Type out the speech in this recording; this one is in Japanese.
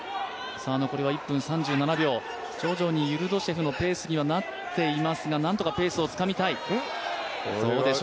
徐々にユルドシェフのペースにはなっていますが、なんとかペースをつかみたい。